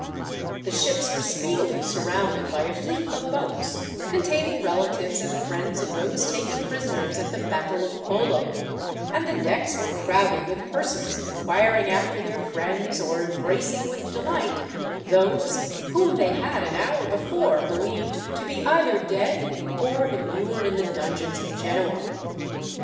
The ships were speedily surrounded by a fleet of boats, containing relatives and friends of those taken prisoners at the battle of Polo, and the decks were crowded with persons inquiring after their friends, or embracing with delight those whom they had, an hour before, believed to be either dead or immured in the dungeons of Genoa.